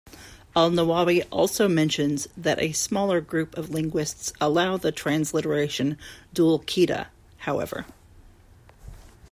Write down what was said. Al-Nawawi also mentions that a smaller group of linguists allow the transliteration Dhu'l-Qi'dah, however.